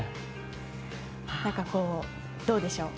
何か、どうでしょう。